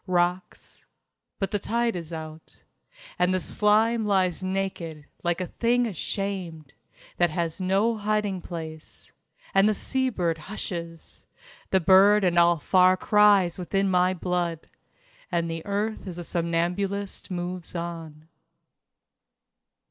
Rocks ... But the tide is out, And the slime lies naked, like a thing ashamed That has no hiding place. And the sea bird hushes The bird and all far cries within my blood And earth as a somnambulist moves on.